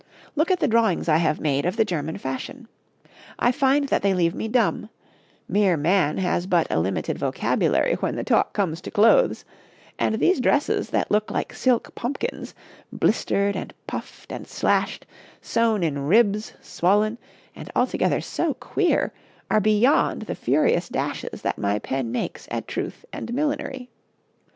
Look at the drawings I have made of the German fashion. I find that they leave me dumb mere man has but a limited vocabulary when the talk comes to clothes and these dresses that look like silk pumpkins, blistered and puffed and slashed, sewn in ribs, swollen, and altogether so queer, are beyond the furious dashes that my pen makes at truth and millinery.